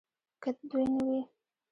که دوی نه وي